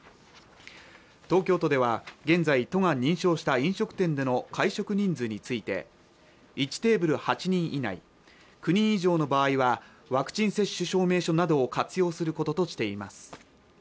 東京都では現在都が認証した飲食店での会食人数について１テーブル８人以内９人以上の場合はワクチン接種証明書などを活用することとしています